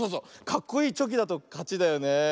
かっこいいチョキだとかちだよねえ。